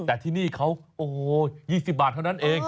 แต่ที่นี่เขาโอ้โห๒๐บาทเท่านั้นเอง